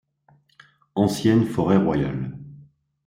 Ancienne forêt royale.